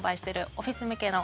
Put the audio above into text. オフィス向けの？